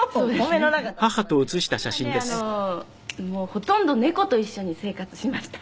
ほとんど猫と一緒に生活しました。